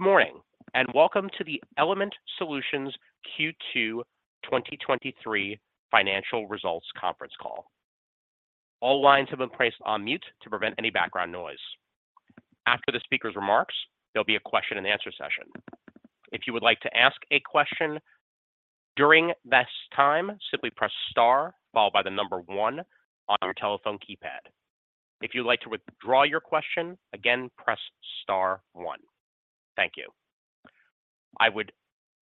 Good morning, welcome to the Element Solutions Q2 2023 Financial Results conference call. All lines have been placed on mute to prevent any background noise. After the speaker's remarks, there'll be a question and answer session. If you would like to ask a question during this time, simply press star followed by 1 on your telephone keypad. If you'd like to withdraw your question, again, press star one. Thank you. I would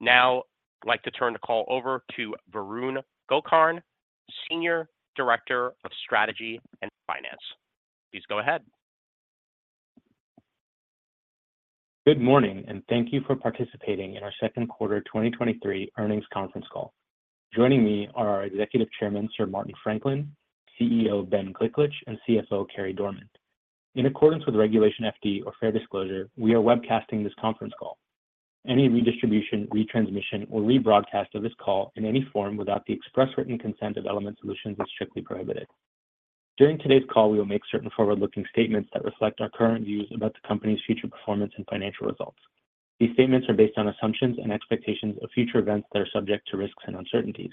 now like to turn the call over to Varun Gokarn, Senior Director of Strategy and Finance. Please go ahead. Good morning. Thank you for participating in our Q2 2023 earnings conference call. Joining me are our Executive Chairman, Sir Martin Franklin, CEO Ben Gliklich, and CFO Carey Dorman. In accordance with Regulation FD or Fair Disclosure, we are webcasting this conference call. Any redistribution, retransmission, or rebroadcast of this call in any form without the express written consent of Element Solutions is strictly prohibited. During today's call, we will make certain forward-looking statements that reflect our current views about the company's future performance and financial results. These statements are based on assumptions and expectations of future events that are subject to risks and uncertainties.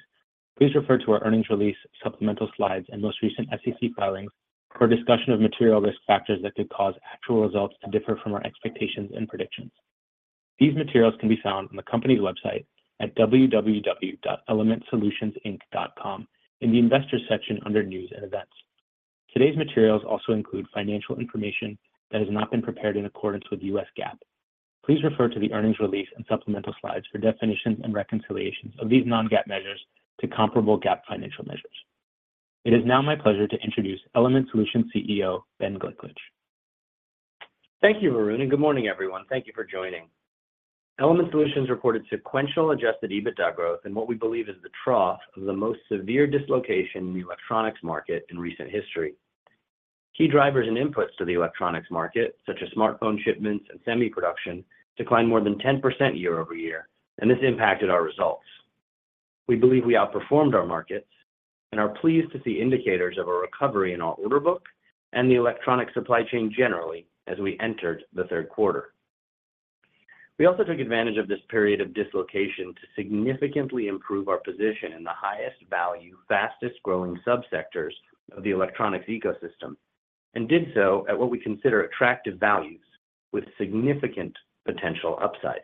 Please refer to our earnings release, supplemental slides, and most recent SEC filings for a discussion of material risk factors that could cause actual results to differ from our expectations and predictions. These materials can be found on the company's website at www.elementsolutionsinc.com in the Investors section under News and Events. Today's materials also include financial information that has not been prepared in accordance with US GAAP. Please refer to the earnings release and supplemental slides for definitions and reconciliations of these non-GAAP measures to comparable GAAP financial measures. It is now my pleasure to introduce Element Solutions CEO, Ben Gliklich. Thank you, Varun, and good morning, everyone. Thank you for joining. Element Solutions reported sequential adjusted EBITDA growth in what we believe is the trough of the most severe dislocation in the electronics market in recent history. Key drivers and inputs to the electronics market, such as smartphone shipments and semi production, declined more than 10% year-over-year, and this impacted our results. We believe we outperformed our markets and are pleased to see indicators of a recovery in our order book and the electronic supply chain generally as we entered the Q3. We also took advantage of this period of dislocation to significantly improve our position in the highest value, fastest-growing subsectors of the electronics ecosystem, and did so at what we consider attractive values with significant potential upside.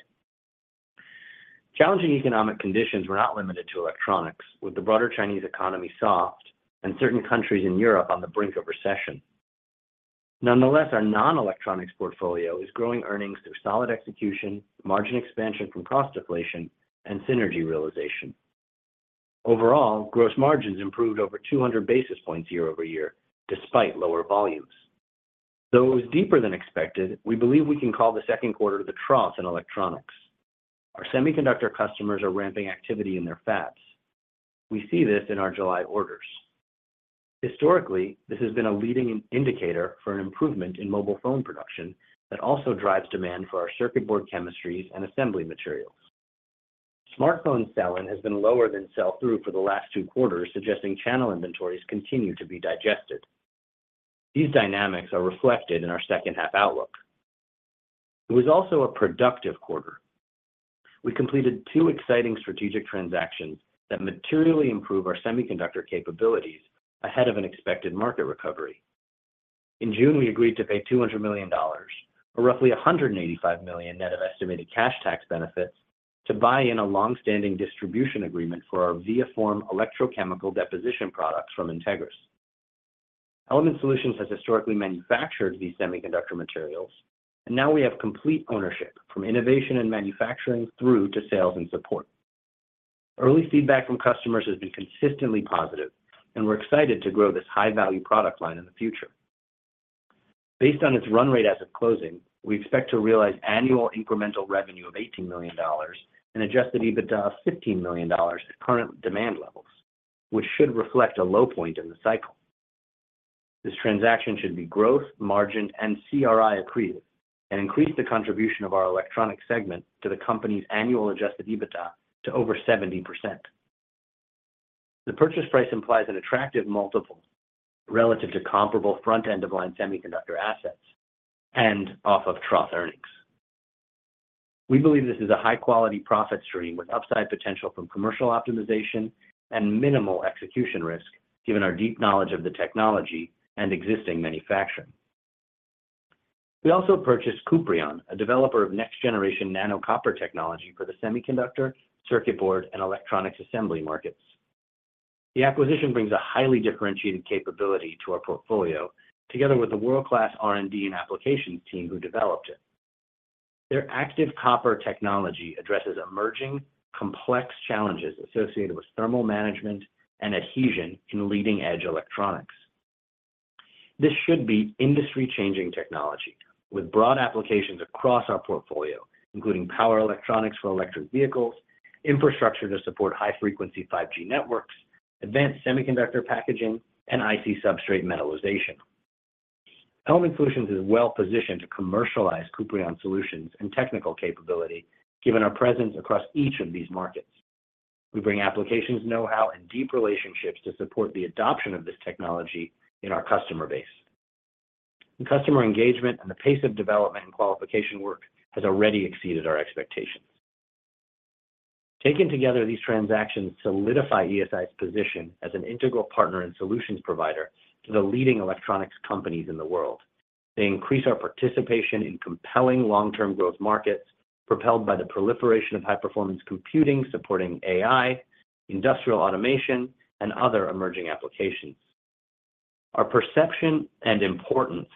Challenging economic conditions were not limited to electronics, with the broader Chinese economy soft and certain countries in Europe on the brink of recession. Nonetheless, our non-electronics portfolio is growing earnings through solid execution, margin expansion from cost deflation, and synergy realization. Overall, gross margins improved over 200 basis points year-over-year, despite lower volumes. Though it was deeper than expected, we believe we can call the Q2 the trough in electronics. Our semiconductor customers are ramping activity in their fabs. We see this in our July orders. Historically, this has been a leading indicator for an improvement in mobile phone production that also drives demand for our circuit board chemistries and assembly materials. Smartphone selling has been lower than sell-through for the last two quarters, suggesting channel inventories continue to be digested. These dynamics are reflected in our second half outlook. It was also a productive quarter. We completed two exciting strategic transactions that materially improve our semiconductor capabilities ahead of an expected market recovery. In June, we agreed to pay $200 million, or roughly $185 million net of estimated cash tax benefits, to buy in a long-standing distribution agreement for our ViaForm electrochemical deposition products from Entegris. Element Solutions has historically manufactured these semiconductor materials. Now we have complete ownership from innovation and manufacturing through to sales and support. Early feedback from customers has been consistently positive. We're excited to grow this high-value product line in the future. Based on its run rate as of closing, we expect to realize annual incremental revenue of $18 million and adjusted EBITDA of $15 million at current demand levels, which should reflect a low point in the cycle. This transaction should be growth, margin, and CRI accretive and increase the contribution of our electronic segment to the company's annual adjusted EBITDA to over 70%. The purchase price implies an attractive multiple relative to comparable front-end of line semiconductor assets and off of trough earnings. We believe this is a high-quality profit stream with upside potential from commercial optimization and minimal execution risk, given our deep knowledge of the technology and existing manufacturing. We also purchased Kuprion, a developer of next-generation nano copper technology for the semiconductor, circuit board, and electronics assembly markets. The acquisition brings a highly differentiated capability to our portfolio, together with a world-class R&D and applications team who developed it. Their active copper technology addresses emerging, complex challenges associated with thermal management and adhesion in leading-edge electronics. This should be industry-changing technology with broad applications across our portfolio, including power electronics for electric vehicles, infrastructure to support high-frequency 5G networks, advanced semiconductor packaging, and IC substrate metallization. Element Solutions is well positioned to commercialize Kuprion solutions and technical capability, given our presence across each of these markets. We bring applications know-how and deep relationships to support the adoption of this technology in our customer base. The customer engagement and the pace of development and qualification work has already exceeded our expectations. Taken together, these transactions solidify ESI's position as an integral partner and solutions provider to the leading electronics companies in the world. They increase our participation in compelling long-term growth markets, propelled by the proliferation of high-performance computing, supporting AI, industrial automation, and other emerging applications. Our perception and importance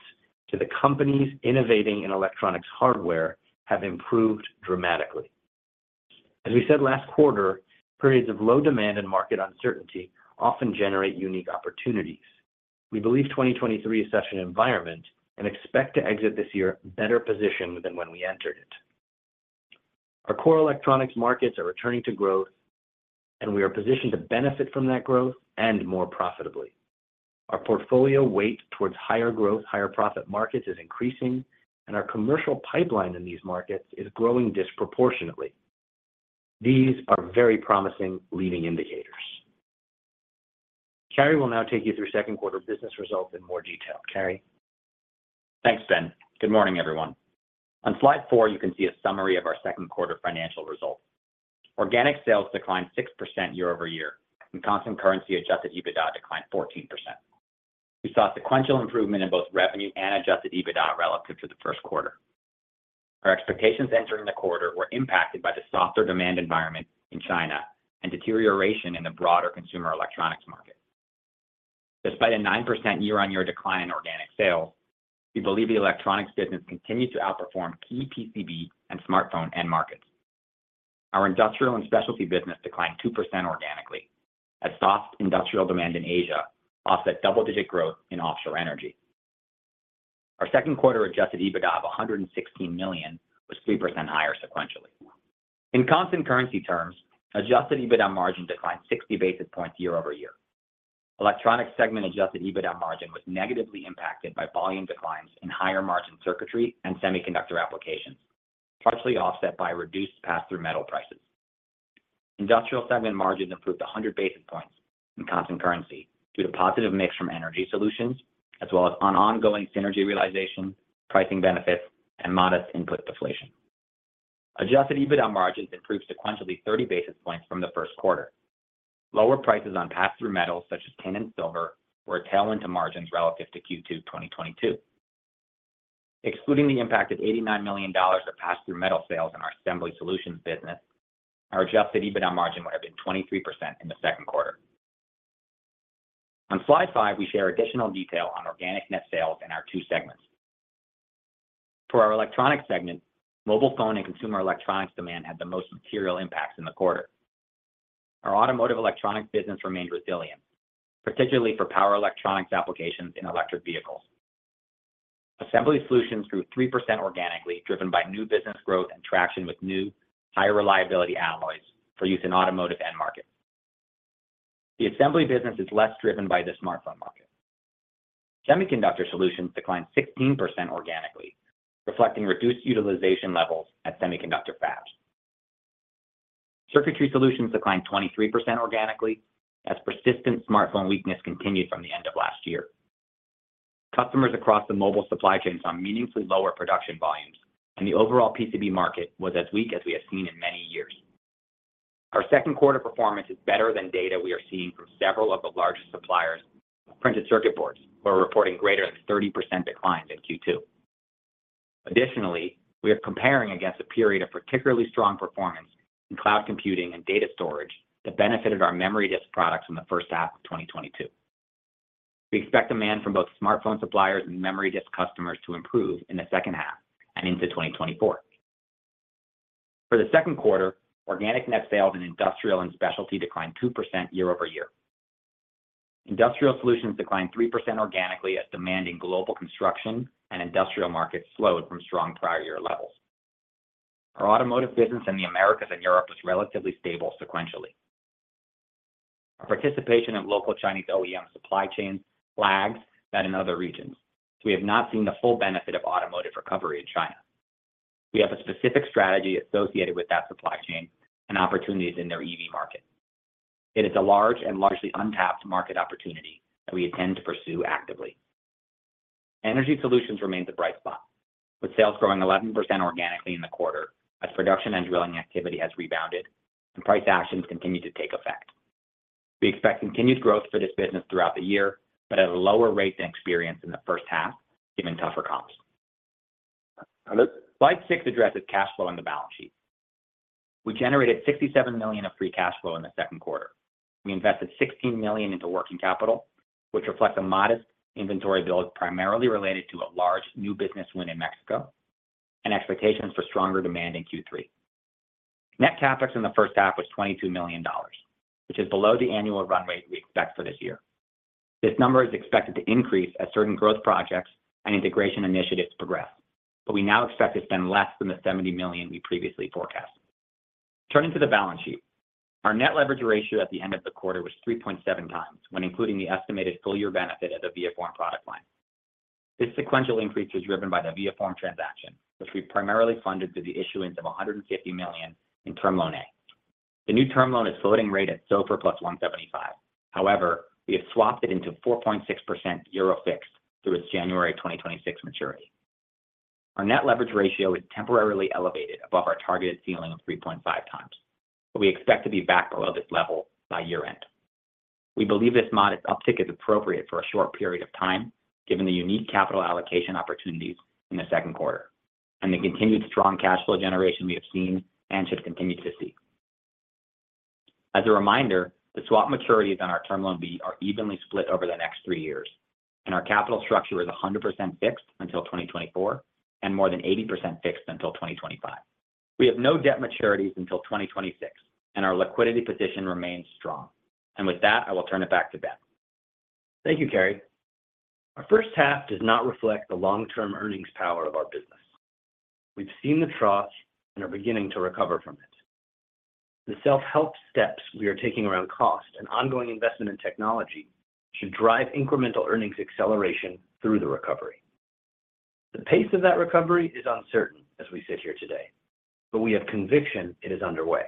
to the companies innovating in electronics hardware have improved dramatically. As we said last quarter, periods of low demand and market uncertainty often generate unique opportunities. We believe 2023 is such an environment and expect to exit this year better positioned than when we entered it. Our core electronics markets are returning to growth, and we are positioned to benefit from that growth and more profitably. Our portfolio weight towards higher growth, higher profit markets is increasing, and our commercial pipeline in these markets is growing disproportionately. These are very promising leading indicators. Carey will now take you through Q2 business results in more detail. Carey? Thanks, Ben. Good morning, everyone. On slide 4, you can see a summary of our Q2 financial results. Organic sales declined 6% year-over-year, and constant currency adjusted EBITDA declined 14%. We saw sequential improvement in both revenue and adjusted EBITDA relative to the Q1. Our expectations entering the quarter were impacted by the softer demand environment in China and deterioration in the broader consumer electronics market. Despite a 9% year-on-year decline in organic sales, we believe the electronics business continued to outperform key PCB and smartphone end markets. Our industrial and specialty business declined 2% organically, as soft industrial demand in Asia offset double-digit growth in offshore energy. Our Q2 adjusted EBITDA of $116 million was 3% higher sequentially. In constant currency terms, adjusted EBITDA margin declined 60 basis points year-over-year. Electronic Segment adjusted EBITDA margin was negatively impacted by volume declines in higher margin circuitry and semiconductor applications, partially offset by reduced pass-through metal prices. Industrial Segment margins improved 100 basis points in constant currency due to positive mix from Energy Solutions, as well as on ongoing synergy realization, pricing benefits, and modest input deflation. Adjusted EBITDA margins improved sequentially 30 basis points from the Q1. Lower prices on pass-through metals, such as tin and silver, were a tail into margins relative to Q2 2022. Excluding the impact of $89 million of pass-through metal sales in our Assembly Solutions business, our adjusted EBITDA margin would have been 23% in the Q2. On slide 5, we share additional detail on organic net sales in our 2 segments. For our Electronics Segment, mobile phone and consumer electronics demand had the most material impacts in the quarter. Our automotive electronics business remained resilient, particularly for power electronics applications in electric vehicles. Assembly Solutions grew 3% organically, driven by new business growth and traction with new, higher reliability alloys for use in automotive end markets. The assembly business is less driven by the smartphone market. Semiconductor Solutions declined 16% organically, reflecting reduced utilization levels at semiconductor fabs. Circuitry Solutions declined 23% organically, as persistent smartphone weakness continued from the end of last year. Customers across the mobile supply chain saw meaningfully lower production volumes, the overall PCB market was as weak as we have seen in many years. Our Q2 performance is better than data we are seeing from several of the largest suppliers. Printed circuit boards were reporting greater than 30% declines in Q2. Additionally, we are comparing against a period of particularly strong performance in cloud computing and data storage that benefited our memory disk products in the first half of 2022. We expect demand from both smartphone suppliers and memory disk customers to improve in the second half and into 2024. For the Q2, organic net sales in industrial and specialty declined 2% year-over-year. Industrial Solutions declined 3% organically as demand in global construction and industrial markets slowed from strong prior year levels. Our automotive business in the Americas and Europe was relatively stable sequentially. Our participation in local Chinese OEMs supply chains lags that in other regions. We have not seen the full benefit of automotive recovery in China. We have a specific strategy associated with that supply chain and opportunities in their EV market. It is a large and largely untapped market opportunity that we intend to pursue actively. Energy Solutions remains a bright spot, with sales growing 11% organically in the quarter, as production and drilling activity has rebounded and price actions continue to take effect. We expect continued growth for this business throughout the year, at a lower rate than experienced in the first half, given tougher comps. Slide six addresses cash flow on the balance sheet. We generated $67 million of free cash flow in the Q2. We invested $16 million into working capital, which reflects a modest inventory build, primarily related to a large new business win in Mexico and expectations for stronger demand in Q3. Net CapEx in the first half was $22 million, which is below the annual runway we expect for this year. This number is expected to increase as certain growth projects and integration initiatives progress, but we now expect to spend less than the $70 million we previously forecasted. Turning to the balance sheet, our net leverage ratio at the end of the quarter was 3.7 times when including the estimated full year benefit of the ViaForm product line. This sequential increase is driven by the ViaForm transaction, which we primarily funded through the issuance of $150 million in Term Loan A. The new Term Loan A is floating rate at SOFR plus 175. We have swapped it into 4.6% EUR fixed through its January 2026 maturity. Our net leverage ratio is temporarily elevated above our targeted ceiling of 3.5 times, but we expect to be back below this level by year-end. We believe this modest uptick is appropriate for a short period of time, given the unique capital allocation opportunities in the Q2 and the continued strong cash flow generation we have seen and should continue to see. As a reminder, the swap maturities on our Term Loan B are evenly split over the next 3 years, and our capital structure is 100% fixed until 2024, and more than 80% fixed until 2025. We have no debt maturities until 2026, and our liquidity position remains strong. With that, I will turn it back to Ben. Thank you, Carey. Our first half does not reflect the long-term earnings power of our business. We've seen the trough and are beginning to recover from it. The self-help steps we are taking around cost and ongoing investment in technology should drive incremental earnings acceleration through the recovery. The pace of that recovery is uncertain as we sit here today, but we have conviction it is underway.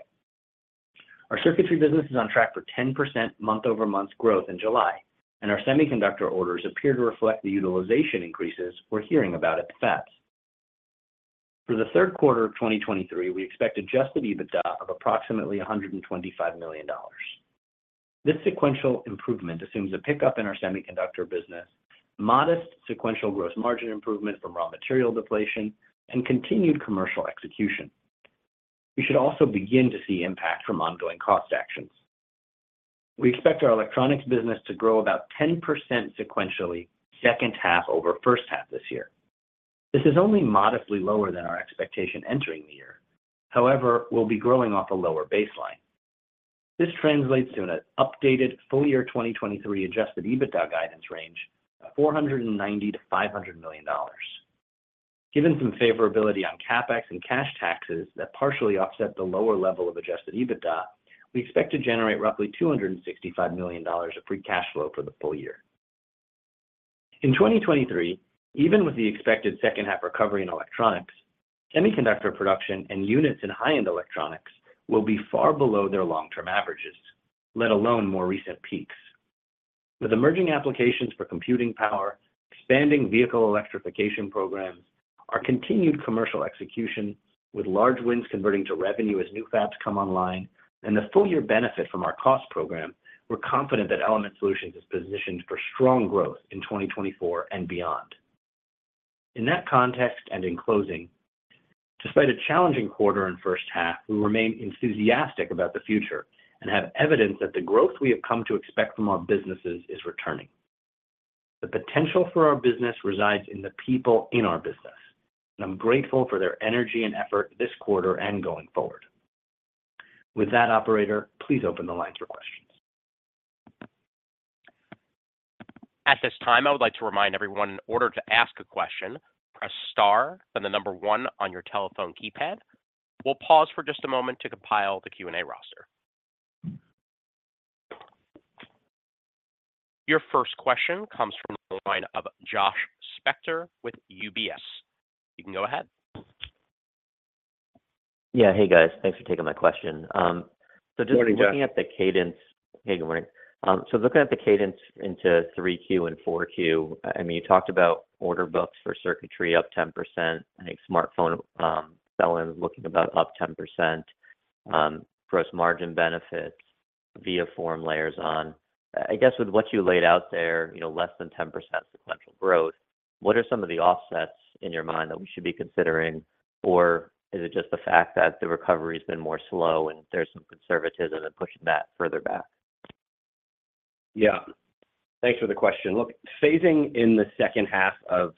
Our circuitry business is on track for 10% month-over-month growth in July. Our semiconductor orders appear to reflect the utilization increases we're hearing about at the fabs. For the Q3 of 2023, we expect adjusted EBITDA of approximately $125 million. This sequential improvement assumes a pickup in our semiconductor business, modest sequential gross margin improvement from raw material deflation, and continued commercial execution. We should also begin to see impact from ongoing cost actions. We expect our electronics business to grow about 10% sequentially, second half over first half this year. This is only modestly lower than our expectation entering the year. We'll be growing off a lower baseline. This translates to an updated full year 2023 adjusted EBITDA guidance range of $490 million-$500 million. Given some favorability on CapEx and cash taxes that partially offset the lower level of adjusted EBITDA, we expect to generate roughly $265 million of free cash flow for the full year. In 2023, even with the expected second half recovery in electronics, semiconductor production and units in high-end electronics will be far below their long-term averages, let alone more recent peaks. With emerging applications for computing power, expanding vehicle electrification programs, our continued commercial execution with large wins converting to revenue as new fabs come online, and the full year benefit from our cost program, we're confident that Element Solutions is positioned for strong growth in 2024 and beyond. In that context, and in closing, despite a challenging quarter in first half, we remain enthusiastic about the future and have evidence that the growth we have come to expect from our businesses is returning. The potential for our business resides in the people in our business, and I'm grateful for their energy and effort this quarter and going forward. With that, operator, please open the line for questions. At this time, I would like to remind everyone, in order to ask a question, press star, then the number one on your telephone keypad. We'll pause for just a moment to compile the Q&A roster. Your first question comes from the line of Josh Spector with UBS. You can go ahead. Yeah. Hey, guys. Thanks for taking my question. Good morning, Josh. Looking at the cadence. Hey, good morning. Looking at the cadence into 3Q and 4Q, I mean, you talked about order books for circuitry up 10%. I think smartphone sell-in is looking about up 10%, gross margin benefits, ViaForm layers on. I guess with what you laid out there, you know, less than 10% sequential growth, what are some of the offsets in your mind that we should be considering, or is it just the fact that the recovery has been more slow, and there's some conservatism in pushing that further back? Thanks for the question. Look, phasing in the second half of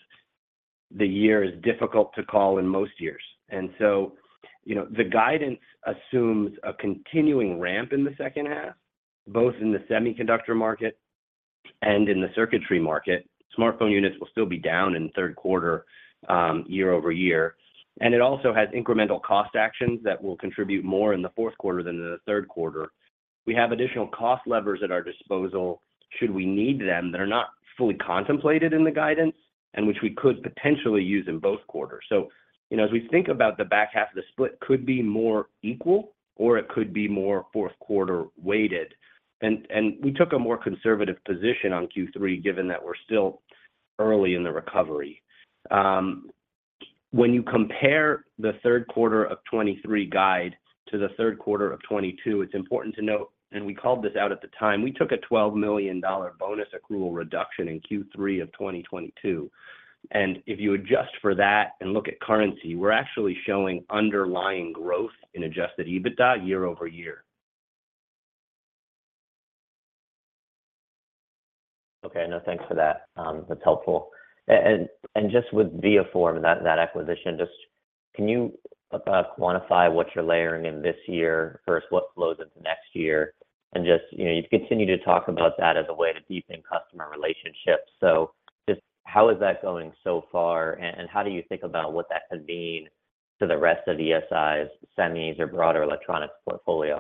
the year is difficult to call in most years, you know, the guidance assumes a continuing ramp in the second half, both in the semiconductor market and in the circuitry market. Smartphone units will still be down in the Q3, year-over-year, it also has incremental cost actions that will contribute more in the Q4 than in the Q3. We have additional cost levers at our disposal should we need them, that are not fully contemplated in the guidance, which we could potentially use in both quarters. You know, as we think about the back half, the split could be more equal or it could be more Q4 weighted. We took a more conservative position on Q3, given that we're still early in the recovery. When you compare the Q3 of 2023 guide to the Q3 of 2022, it's important to note, and we called this out at the time, we took a $12 million bonus accrual reduction in Q3 of 2022, and if you adjust for that and look at currency, we're actually showing underlying growth in adjusted EBITDA year-over-year. Okay, No, thanks for that. That's helpful. Just with ViaForm, that acquisition, just can you quantify what you're layering in this year versus what flows into next year? Just, you know, you continue to talk about that as a way to deepen customer relationships. Just how is that going so far, and how do you think about what that could mean to the rest of ESI's semis or broader electronics portfolio?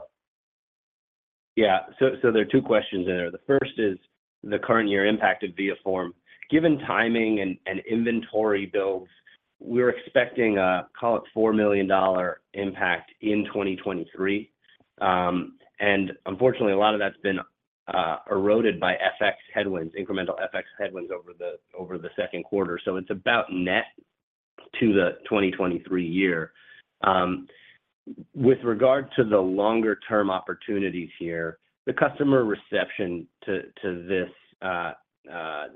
There are two questions in there. The first is the current year impact of ViaForm. Given timing and inventory builds, we're expecting a, call it, $4 million impact in 2023. Unfortunately, a lot of that's been eroded by FX headwinds, incremental FX headwinds over the Q2. It's about net to the 2023 year. With regard to the longer-term opportunities here, the customer reception to this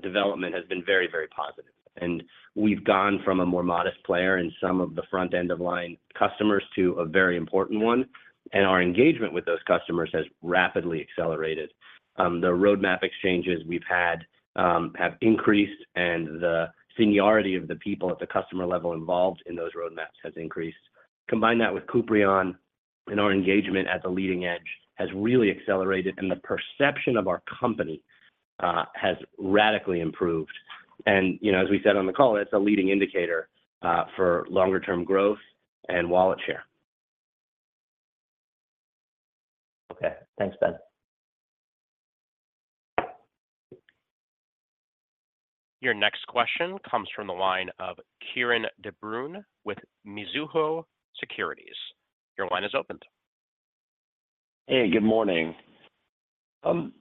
development has been very positive. We've gone from a more modest player in some of the front-end of line customers to a very important one, and our engagement with those customers has rapidly accelerated. The roadmap exchanges we've had have increased, and the seniority of the people at the customer level involved in those roadmaps has increased. Combine that with Kuprion, and our engagement at the leading edge has really accelerated, and the perception of our company has radically improved. You know, as we said on the call, that's a leading indicator for longer-term growth and wallet share. Okay. Thanks, Ben. Your next question comes from the line of Kieran DeBrunner with Mizuho Securities. Your line is opened. Hey, good morning. Morning.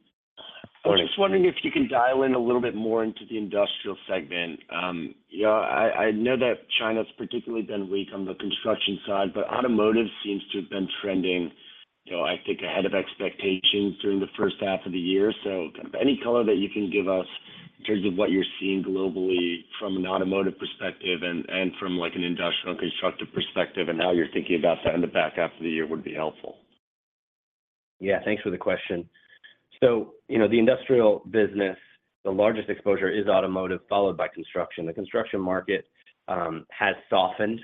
I was just wondering if you can dial in a little bit more into the Industrial Solutions segment. you know, I, I know that China's particularly been weak on the construction side, but automotive seems to have been trending, you know, I think ahead of expectations during the first half of the year. Any color that you can give us in terms of what you're seeing globally from an automotive perspective and, and from, like, an industrial constructive perspective, and how you're thinking about that in the back half of the year would be helpful. Thanks for the question. You know, the industrial business, the largest exposure is automotive, followed by construction. The construction market has softened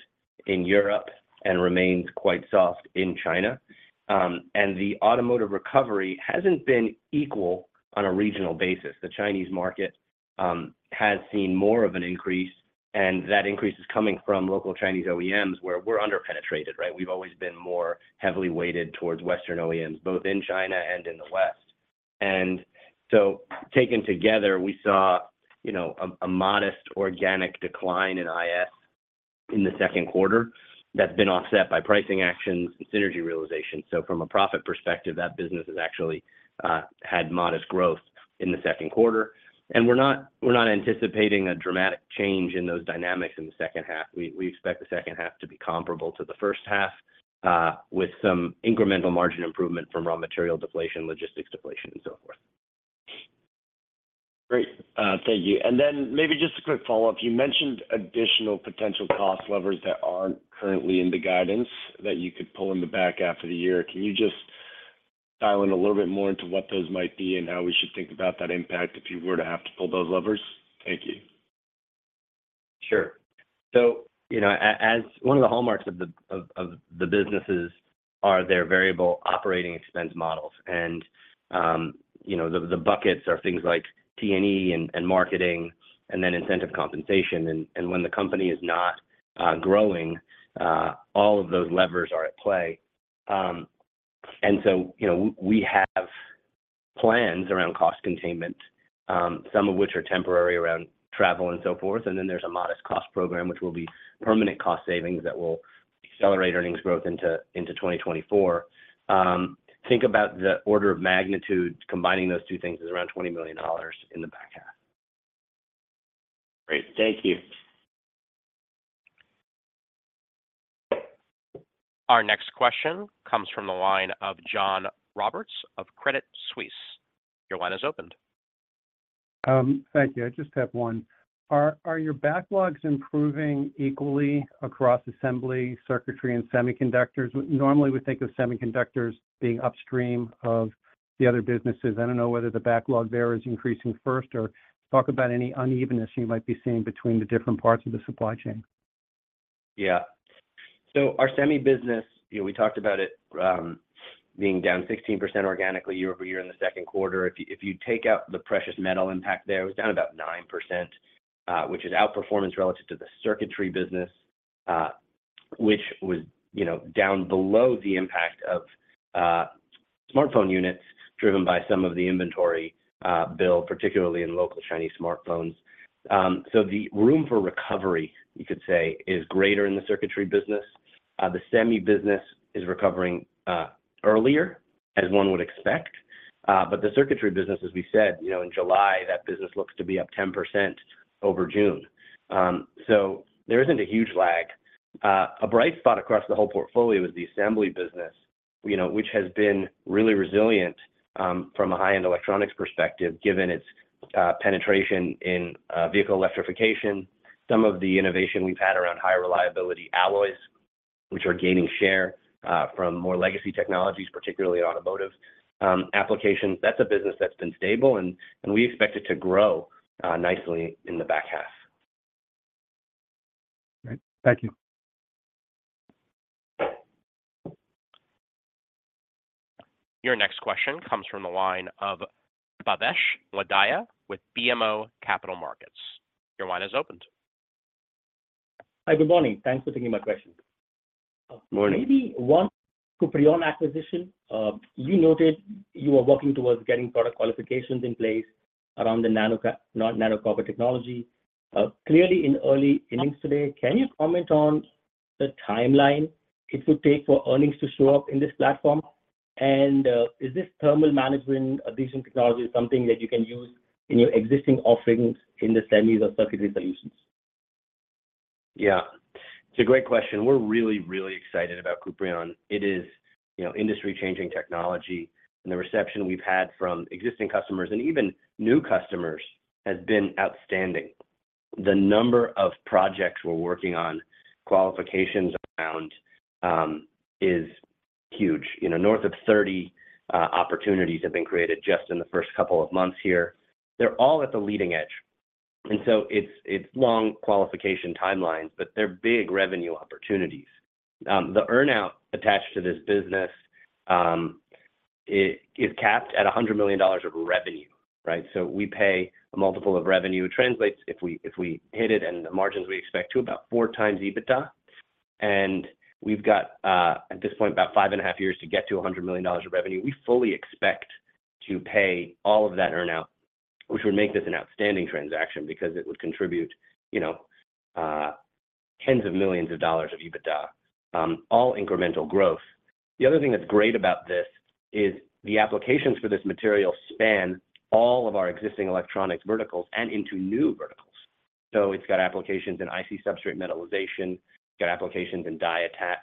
in Europe and remains quite soft in China. The automotive recovery hasn't been equal on a regional basis. The Chinese market has seen more of an increase, and that increase is coming from local Chinese OEMs, where we're under-penetrated, right? We've always been more heavily weighted towards Western OEMs, both in China and in the West. Taken together, we saw, you know, a modest organic decline in IS in the Q2 that's been offset by pricing actions and synergy realization. From a profit perspective, that business has actually had modest growth in the Q2, and we're not anticipating a dramatic change in those dynamics in the second half. We expect the second half to be comparable to the first half, with some incremental margin improvement from raw material deflation, logistics deflation, so forth. Great, thank you. Maybe just a quick follow-up. You mentioned additional potential cost levers that aren't currently in the guidance that you could pull in the back half of the year. Can you just dial in a little bit more into what those might be and how we should think about that impact if you were to have to pull those levers? Thank you. Sure. You know, as one of the hallmarks of the businesses are their variable operating expense models. You know, the buckets are things like T&E and marketing, and then incentive compensation. When the company is not growing, all of those levers are at play. You know, we have plans around cost containment, some of which are temporary around travel and so forth. There's a modest cost program, which will be permanent cost savings that will accelerate earnings growth into 2024. Think about the order of magnitude, combining those two things is around $20 million in the back half. Great. Thank you. Our next question comes from the line of John Roberts of Credit Suisse. Your line is opened. Thank you. I just have one. Are your backlogs improving equally across assembly, circuitry, and semiconductors? Normally, we think of semiconductors being upstream of the other businesses. I don't know whether the backlog there is increasing first or talk about any unevenness you might be seeing between the different parts of the supply chain. Our Semi business, you know, we talked about it, being down 16% organically year-over-year in the Q2. If you take out the precious metal impact there, it was down about 9%, which is outperformance relative to the Circuitry business, which was, you know, down below the impact of smartphone units, driven by some of the inventory build, particularly in local Chinese smartphones. The room for recovery, you could say, is greater in the Circuitry business. The Semi business is recovering earlier, as one would expect, but the Circuitry business, as we said, you know, in July, that business looks to be up 10% over June. There isn't a huge lag. A bright spot across the whole portfolio is the Assembly business, you know, which has been really resilient from a high-end electronics perspective, given its penetration in vehicle electrification. Some of the innovation we've had around high reliability alloys, which are gaining share from more legacy technologies, particularly in automotive applications. That's a business that's been stable, and we expect it to grow nicely in the back half. Great. Thank you. Your next question comes from the line of Bhavesh Lodaya with BMO Capital Markets. Your line is opened. Hi, good morning. Thanks for taking my question. Morning. Maybe one Kuprion acquisition, you noted you were working towards getting product qualifications in place around the nano copper technology. Clearly in early innings today, can you comment on the timeline it would take for earnings to show up in this platform? Is this thermal management adhesion technology something that you can use in your existing offerings in the semis or Circuitry Solutions? Yeah, it's a great question. We're really excited about Kuprion. It is, you know, industry-changing technology. The reception we've had from existing customers and even new customers has been outstanding. The number of projects we're working on, qualifications around, is huge. You know, north of 30 opportunities have been created just in the first couple of months here. They're all at the leading edge. It's long qualification timelines, but they're big revenue opportunities. The earn-out attached to this business, it is capped at $100 million of revenue, right? We pay a multiple of revenue, translates if we hit it and the margins we expect to about 4x EBITDA. We've got at this point, about 5.5 years to get to $100 million of revenue. We fully expect to pay all of that earn-out, which would make this an outstanding transaction because it would contribute, you know, tens of millions of dollars of EBITDA, all incremental growth. The other thing that's great about this is the applications for this material span all of our existing electronics verticals and into new verticals. It's got applications in IC substrate metallization, it's got applications in die attach,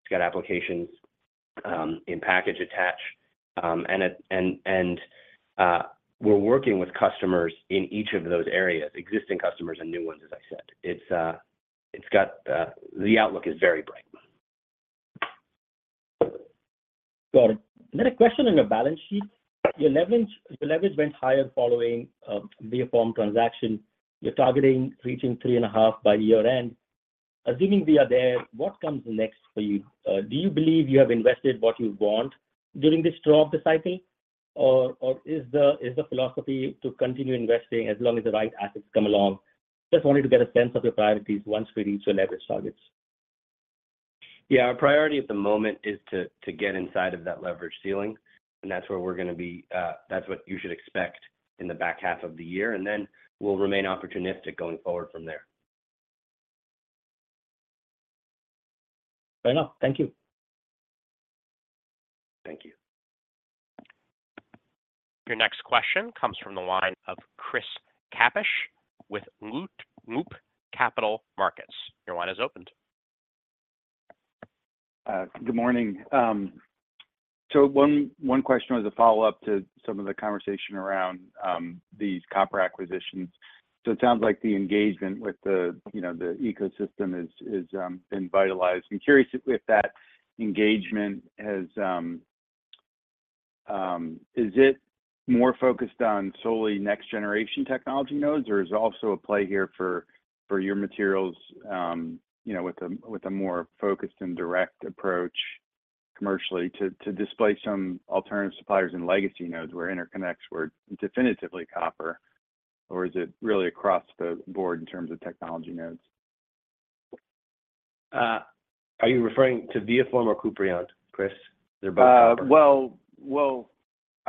it's got applications in package attach. We're working with customers in each of those areas, existing customers and new ones, as I said. The outlook is very bright. Got it. A question on your balance sheet. Your leverage went higher following ViaForm transaction. You're targeting reaching 3.5 by year-end. Assuming we are there, what comes next for you? Do you believe you have invested what you want during this drop of the cycle, or is the philosophy to continue investing as long as the right assets come along? Just wanted to get a sense of your priorities once we reach the leverage targets. Our priority at the moment is to get inside of that leverage ceiling, and that's what you should expect in the back half of the year, and then we'll remain opportunistic going forward from there. Fair enough. Thank you. Thank you. Your next question comes from the line of Chris Kapsch with Loop Capital Markets. Your line is opened. Good morning. One question was a follow-up to some of the conversation around these copper acquisitions. It sounds like the engagement with the ecosystem is vitalized. I'm curious if that engagement has. Is it more focused on solely next generation technology nodes, or is there also a play here for your materials with a more focused and direct approach commercially to display some alternative suppliers and legacy nodes where interconnects were definitively copper, or is it really across the board in terms of technology nodes? Are you referring to ViaForm or Kuprion, Chris? They're both. Well,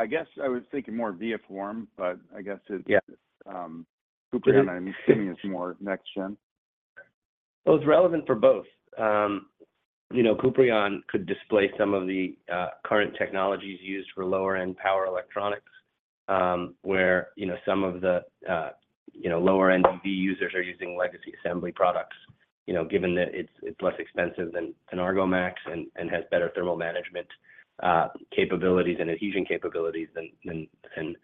I guess I was thinking more ViaForm, but I guess. Yeah Kuprion I'm assuming is more next gen. Well, it's relevant for both. You know, Kuprion could display some of the current technologies used for lower-end power electronics, where, you know, some of the, you know, lower-end EV users are using legacy assembly products, you know, given that it's, it's less expensive than an Argomax and, and has better thermal management capabilities and adhesion capabilities than, and,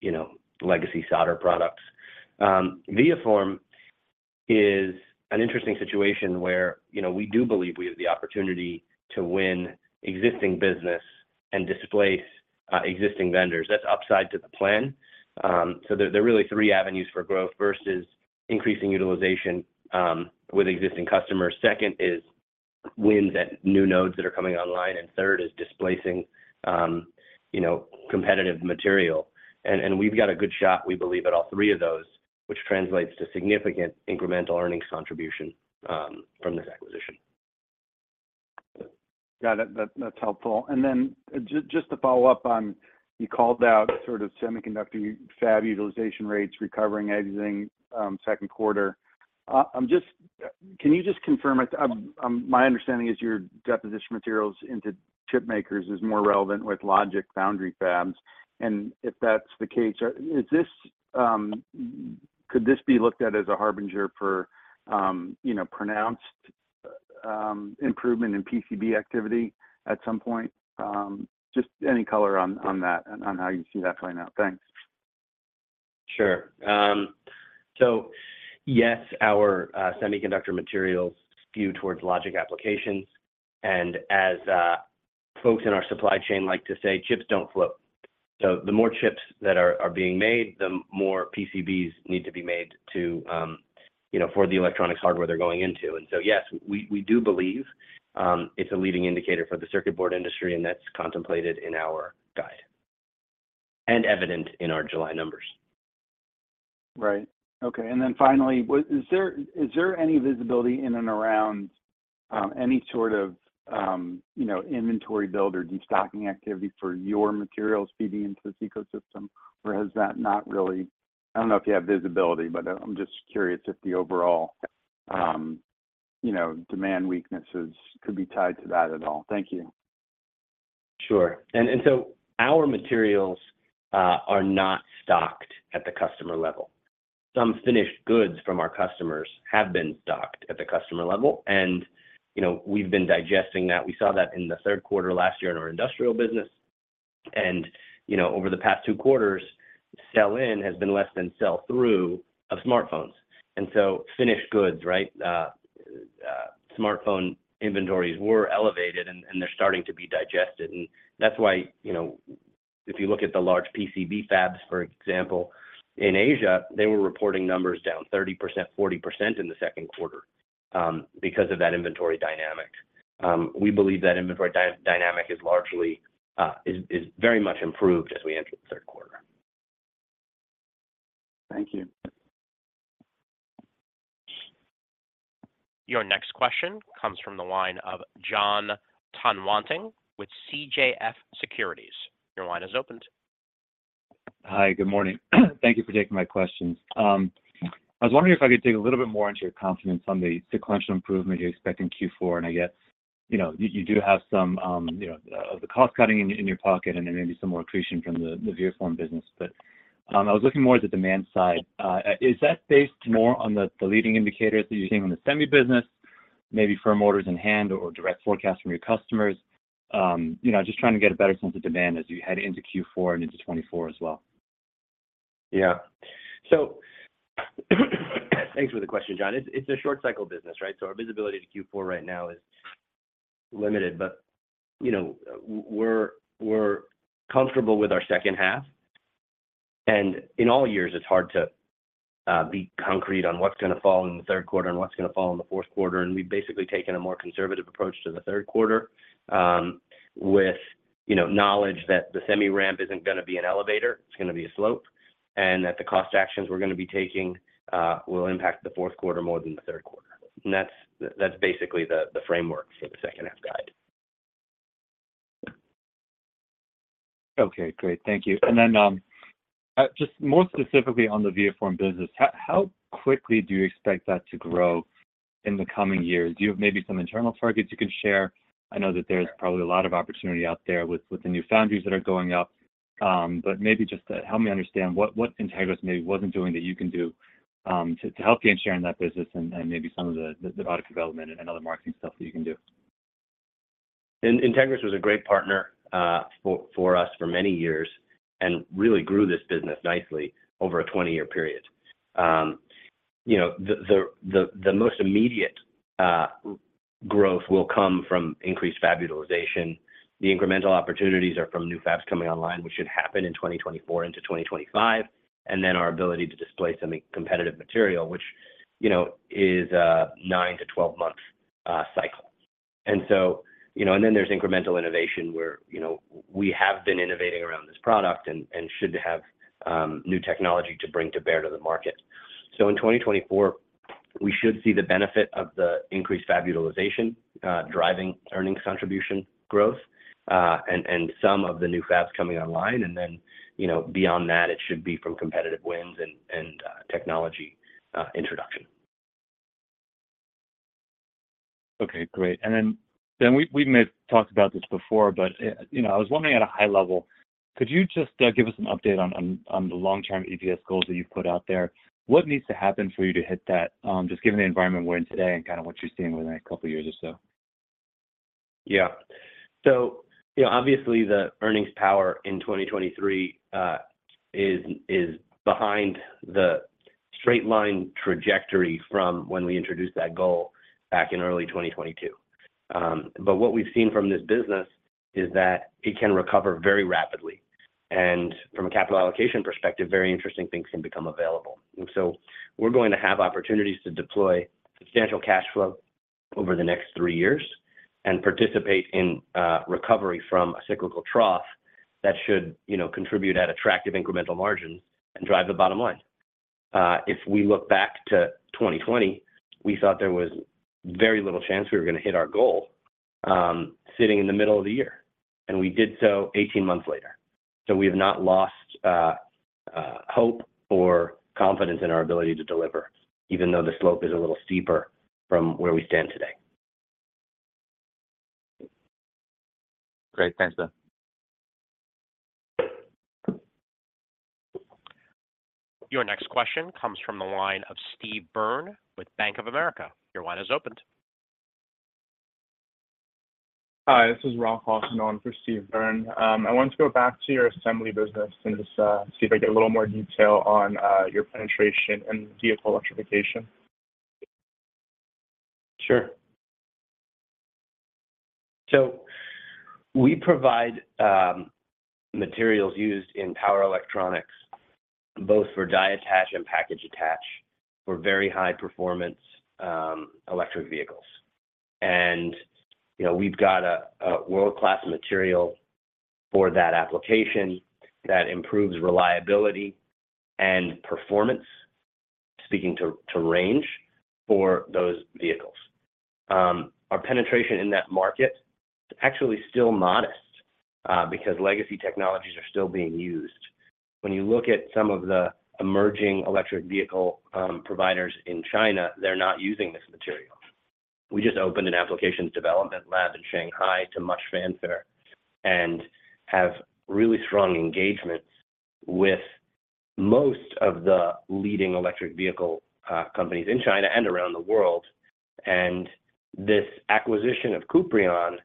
you know, legacy solder products. ViaForm is an interesting situation where, you know, we do believe we have the opportunity to win existing business and displace existing vendors. That's upside to the plan. There, there are really 3 avenues for growth versus increasing utilization with existing customers. Second is wins at new nodes that are coming online, and third is displacing, you know, competitive material. We've got a good shot, we believe, at all three of those, which translates to significant incremental earnings contribution from this acquisition. Yeah, that's helpful. Just to follow up on, you called out sort of semiconductor fab utilization rates recovering, exiting, Q2. Can you just confirm, my understanding is your deposition materials into chip makers is more relevant with logic foundry fabs, and if that's the case, is this, could this be looked at as a harbinger for, you know, pronounced improvement in PCB activity at some point? Just any color on, on that and on how you see that playing out. Thanks. Sure. Yes, our semiconductor materials skew towards logic applications, as folks in our supply chain like to say, "Chips don't float." The more chips that are being made, the more PCBs need to be made to, you know, for the electronics hardware they're going into. Yes, we, we do believe it's a leading indicator for the circuit board industry, and that's contemplated in our guide and evident in our July numbers. Right. Okay, finally, is there any visibility in and around any sort of, you know, inventory build or destocking activity for your materials feeding into this ecosystem? I don't know if you have visibility, but I'm just curious if the overall, you know, demand weaknesses could be tied to that at all? Thank you. Sure. Our materials are not stocked at the customer level. Some finished goods from our customers have been stocked at the customer level, and, you know, we've been digesting that. We saw that in the Q3 last year in our industrial business, and, you know, over the past two quarters, sell-in has been less than sell-through of smartphones. Finished goods, right, smartphone inventories were elevated, they're starting to be digested, and that's why, you know, if you look at the large PCB fabs, for example, in Asia, they were reporting numbers down 30%, 40% in the Q2, because of that inventory dynamic. We believe that inventory dynamic is largely, is very much improved as we enter the Q3. Thank you. Your next question comes from the line of Jon Tanwanteng with CJS Securities. Your line is opened. Hi, good morning. Thank Thank you for taking my questions. I was wondering if I could dig a little bit more into your confidence on the sequential improvement you expect in Q4. I guess, you know, you do have some, you know, the cost cutting in your pocket, and there may be some accretion from the ViaForm business. I was looking more at the demand side. Is that based more on the leading indicators that you're seeing in the semi business, maybe firm orders in hand or direct forecast from your customers? You know, just trying to get a better sense of demand as you head into Q4 and into 2024 as well. Thanks for the question, John. It's a short cycle business, right? Our visibility to Q4 right now is limited, but, you know, we're comfortable with our second half. In all years, it's hard to be concrete on what's gonna fall in the Q3 and what's gonna fall in the Q4, and we've basically taken a more conservative approach to the Q3, with, you know, knowledge that the semi ramp isn't gonna be an elevator, it's gonna be a slope, and that the cost actions we're gonna be taking, will impact the Q4 more than the Q3. That's basically the framework for the second half guide. Okay, great. Thank you. Just more specifically on the ViaForm business, how quickly do you expect that to grow in the coming years? Do you have maybe some internal targets you can share? I know that there's probably a lot of opportunity out there with the new foundries that are going up, but maybe just to help me understand, what Entegris maybe wasn't doing that you can do, to help you in sharing that business and maybe some of the product development and other marketing stuff that you can do? Entegris was a great partner, for us for many years and really grew this business nicely over a 20-year period. You know, the most immediate growth will come from increased fab utilization. The incremental opportunities are from new fabs coming online, which should happen in 2024 into 2025, and then our ability to display some competitive material, which, you know, is a nine to 12 month cycle. You know, and then there's incremental innovation, where, you know, we have been innovating around this product and should have new technology to bring to bear to the market. In 2024, we should see the benefit of the increased fab utilization, driving earnings contribution growth, and some of the new fabs coming online, and then, you know, beyond that, it should be from competitive wins and technology introduction. Okay, great. We may have talked about this before, but, you know, I was wondering at a high level, could you just give us an update on the long-term EPS goals that you've put out there? What needs to happen for you to hit that, just given the environment we're in today and kind of what you're seeing within two years or so? You know, obviously, the earnings power in 2023 is behind the straight line trajectory from when we introduced that goal back in early 2022. What we've seen from this business is that it can recover very rapidly, and from a capital allocation perspective, very interesting things can become available. We're going to have opportunities to deploy substantial cash flow over the next 3 years and participate in recovery from a cyclical trough that should, you know, contribute at attractive incremental margins and drive the bottom line. If we look back to 2020, we thought there was very little chance we were gonna hit our goal, sitting in the middle of the year, and we did so 18 months later. We have not lost hope or confidence in our ability to deliver, even though the slope is a little steeper from where we stand today. Great. Thanks, Ben. Your next question comes from the line of Steve Byrne with Bank of America. Your line is opened. Hi, this is Ralph Hawthorne in for Steve Byrne. I want to go back to your assembly business and just see if I can get a little more detail on your penetration and vehicle electrification. Sure. We provide materials used in power electronics-... both for die attach and package attach for very high-performance electric vehicles. You know, we've got a world-class material for that application that improves reliability and performance, speaking to range for those vehicles. Our penetration in that market is actually still modest because legacy technologies are still being used. When you look at some of the emerging electric vehicle providers in China, they're not using this material. We just opened an applications development lab in Shanghai to much fanfare, and have really strong engagements with most of the leading electric vehicle companies in China and around the world. This acquisition of Kuprion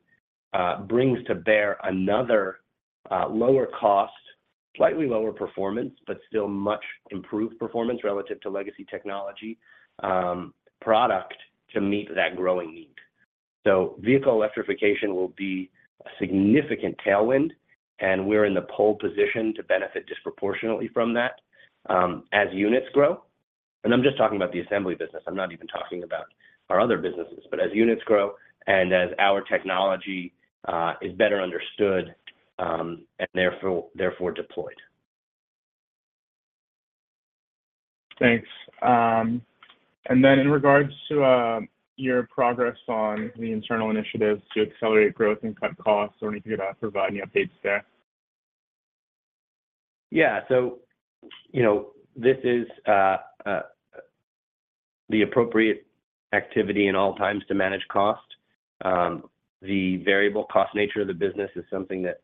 brings to bear another lower cost, slightly lower performance, but still much improved performance relative to legacy technology product to meet that growing need. Vehicle electrification will be a significant tailwind, and we're in the pole position to benefit disproportionately from that, as units grow. I'm just talking about the assembly business. I'm not even talking about our other businesses. As units grow and as our technology is better understood, and therefore deployed. Thanks. In regards to your progress on the internal initiatives to accelerate growth and cut costs, or anything you'd provide any updates there? Yeah. You know, this is the appropriate activity in all times to manage cost. The variable cost nature of the business is something that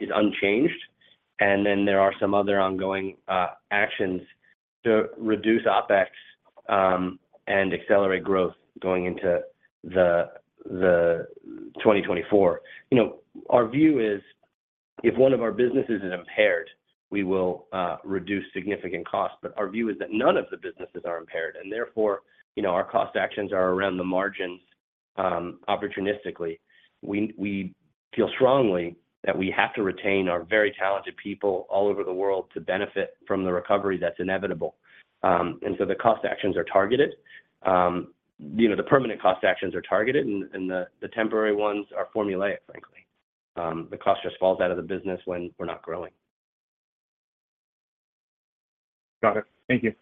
is unchanged, and there are some other ongoing actions to reduce OpEx and accelerate growth going into 2024. You know, our view is, if one of our businesses is impaired, we will reduce significant costs. Our view is that none of the businesses are impaired, and therefore, you know, our cost actions are around the margins, opportunistically. We feel strongly that we have to retain our very talented people all over the world to benefit from the recovery that's inevitable. The cost actions are targeted. You know, the permanent cost actions are targeted, and the temporary ones are formulaic, frankly. The cost just falls out of the business when we're not growing. Got it. Thank you.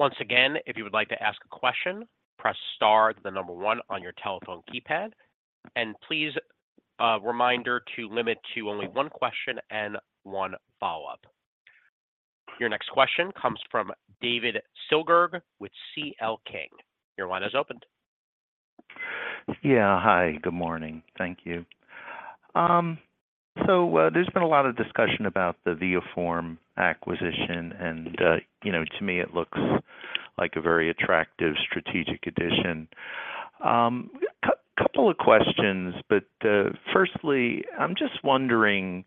Once again, if you would like to ask a question, press star, the number one on your telephone keypad, please, reminder to limit to only one question and one follow-up. Your next question comes from David Silver with CL King. Your line is opened. Yeah. Hi, good morning. Thank you. There's been a lot of discussion about the ViaForm acquisition, you know, to me, it looks like a very attractive strategic addition. Couple of questions, firstly, I'm just wondering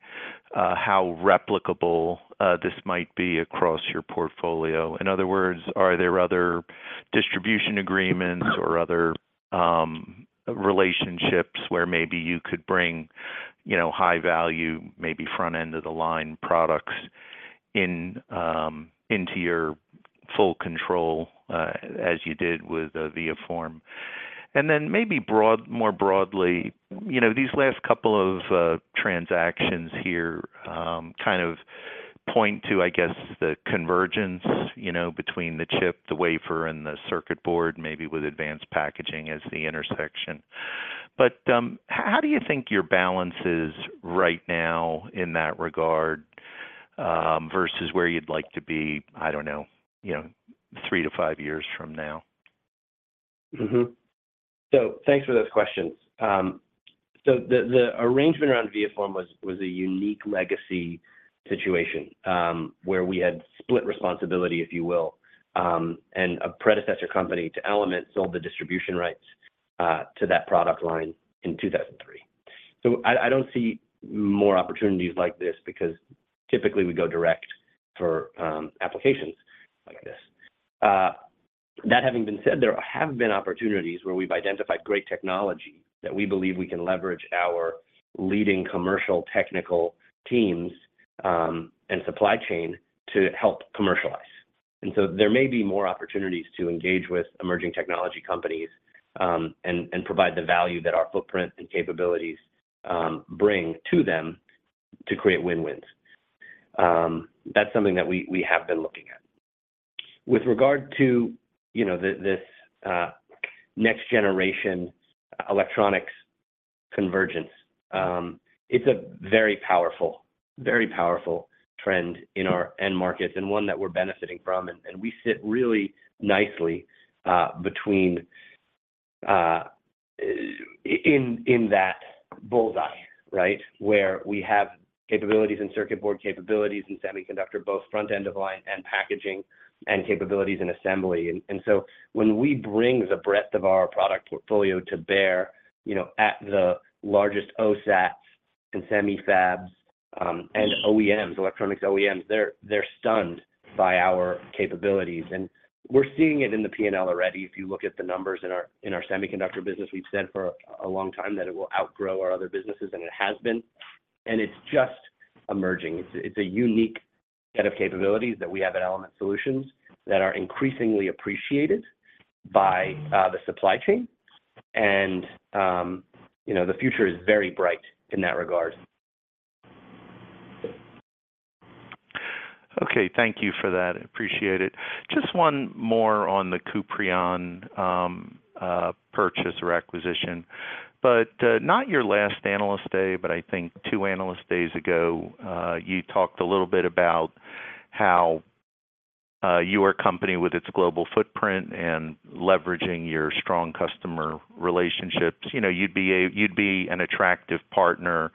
how replicable this might be across your portfolio. In other words, are there other distribution agreements or other relationships where maybe you could bring, you know, high value, maybe front-end of line products in into your full control as you did with ViaForm? Maybe more broadly, you know, these last couple of transactions here kind of point to, I guess, the convergence, you know, between the chip, the wafer, and the circuit board, maybe with advanced packaging as the intersection. How do you think your balance is right now in that regard, versus where you'd like to be, I don't know, you know, three to five years from now? Thanks for those questions. The arrangement around ViaForm was a unique legacy situation, where we had split responsibility, if you will. A predecessor company to Element sold the distribution rights to that product line in 2003. I don't see more opportunities like this because typically we go direct for applications like this. That having been said, there have been opportunities where we've identified great technology that we believe we can leverage our leading commercial technical teams and supply chain to help commercialize. There may be more opportunities to engage with emerging technology companies and provide the value that our footprint and capabilities bring to them to create win-wins. That's something that we have been looking at. With regard to, you know, the, this next generation electronics convergence, it's a very powerful trend in our end markets and one that we're benefiting from, and we sit really nicely between in that bull's eye, right? Where we have capabilities and circuit board capabilities and semiconductor, both front end of line and packaging, and capabilities and assembly. When we bring the breadth of our product portfolio to bear, you know, at the largest OSATs and OEMs, electronics OEMs, they're stunned by our capabilities, and we're seeing it in the P&L already. If you look at the numbers in our semiconductor business, we've said for a long time that it will outgrow our other businesses, and it has been, and it's just emerging. It's a unique set of capabilities that we have at Element Solutions that are increasingly appreciated by the supply chain. You know, the future is very bright in that regard. Okay, thank thank you for that. Appreciate it. Just one more on the Kuprion purchase or acquisition. Not your last Analyst Day, but I think two Analyst Days ago, you talked a little bit about how your company with its global footprint and leveraging your strong customer relationships, you know, you'd be an attractive partner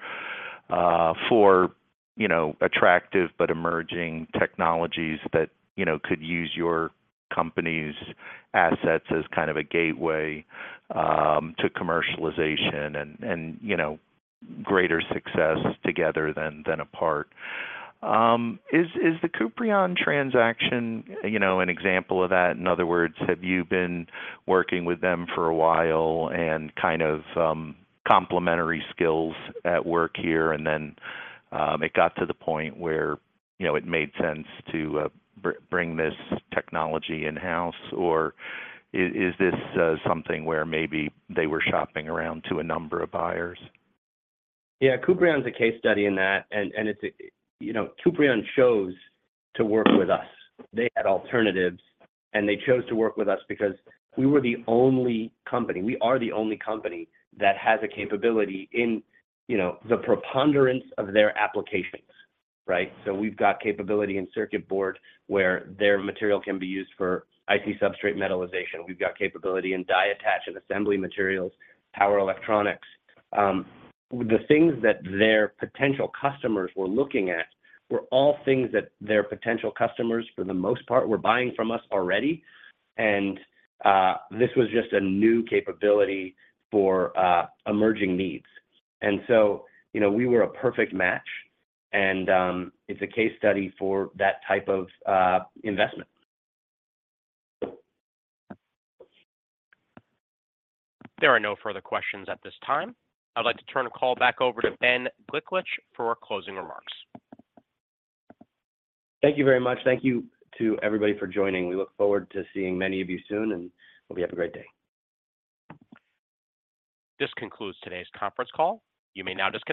for, you know, attractive but emerging technologies that, you know, could use your company's assets as kind of a gateway to commercialization and, you know, greater success together than apart. Is the Kuprion transaction, you know, an example of that? In other words, have you been working with them for a while and kind of, complementary skills at work here, and then, it got to the point where, you know, it made sense to, bring this technology in-house, or is this, something where maybe they were shopping around to a number of buyers? Yeah, Kuprion's a case study in that. You know, Kuprion chose to work with us. They had alternatives. They chose to work with us because We are the only company that has a capability in, you know, the preponderance of their applications, right? We've got capability in circuit board, where their material can be used for IC substrate metallization. We've got capability in die attach and assembly materials, power electronics. The things that their potential customers were looking at were all things that their potential customers, for the most part, were buying from us already. This was just a new capability for emerging needs. You know, we were a perfect match. It's a case study for that type of investment. There are no further questions at this time. I'd like to turn the call back over to Benjamin Gliklich for closing remarks. Thank you very much. Thank you to everybody for joining. We look forward to seeing many of you soon, and hope you have a great day. This concludes today's conference call. You may now disconnect.